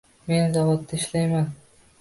Men zavodda ishlayman.